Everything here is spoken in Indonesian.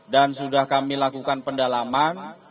dan sudah kami lakukan pendalaman